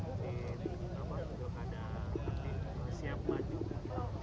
dan apa untuk ada partai siap maju